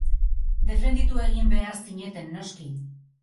Defenditu egin behar zineten, noski.